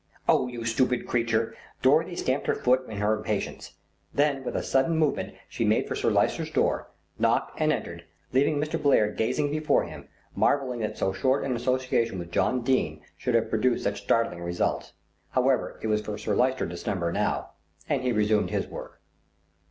"Oh, you stupid creature!" Dorothy stamped her foot in her impatience. Then with a sudden movement she made for Sir Lyster's door, knocked and entered, leaving Mr. Blair gazing before him, marvelling that so short an association with John Dene should have produced such startling results. However, it was for Sir Lyster to snub her now, and he resumed his work.